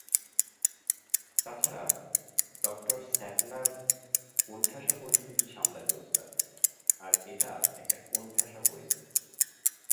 তাছাড়া ডঃ স্যাটলার কোনঠাসা পরিস্থিতি সামলাতে ওস্তাদ, আর এটা একটা কোনঠাসা পরিস্থিতি।